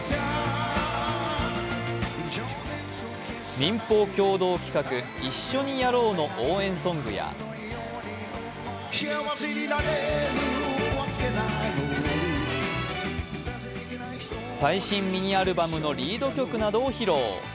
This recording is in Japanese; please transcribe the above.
民放共同企画「一緒にやろう」の応援ソングや最新ミニアルバムのリード曲などを披露。